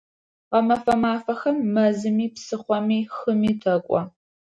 Гъэмэфэ мафэхэм мэзыми, псыхъоми, хыми тэкӀо.